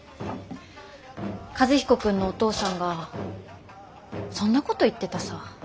和彦君のお父さんがそんなこと言ってたさ。